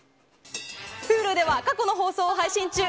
Ｈｕｌｕでは過去の放送を配信中。